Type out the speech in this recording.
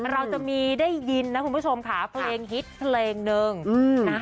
เราจะมีได้ยินนะคุณผู้ชมค่ะเพลงฮิตเพลงหนึ่งนะ